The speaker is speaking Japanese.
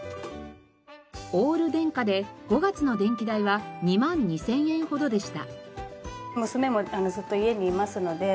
オール電化で５月の電気代は２万２０００円ほどでした。